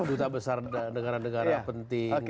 duta besar negara negara penting